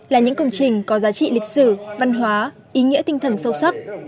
là những công trình có giá trị lịch sử văn hóa ý nghĩa tinh thần sâu sắc